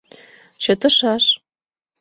Чытышаш.